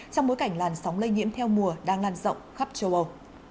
trong bối cảnh làn sóng lây nhiễm theo mùa đang lan rộng khắp châu âu